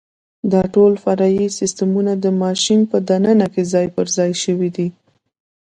دا ټول فرعي سیسټمونه د ماشین په دننه کې ځای پرځای شوي دي.